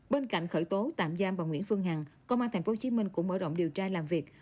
bên cạnh khởi tố tạm giam bà nguyễn phương hằng công an tp hcm cũng mở rộng điều tra làm việc